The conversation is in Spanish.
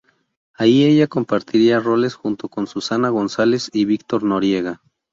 Ahí ella compartiría roles junto con Susana González y Víctor Noriega.